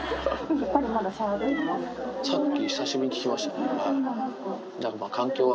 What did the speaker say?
やっぱりまだ、さっき、久しぶりに聞きましたね。